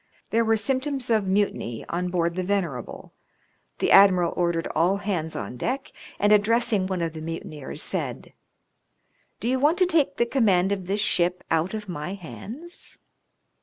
There were symptoms of mutiny on board the Venerable ; the admiral ordered all hands on deck, and, addressing one of the mutineers, said, "Do you want to take the command of this ship out of my hands